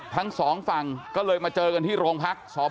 ทั้งสองฝั่งก็เลยมาเจอกันที่โรงพัก